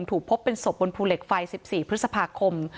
ถูกพบเป็นศพบนภูเหล็กไฟ๑๔พฤษภาคม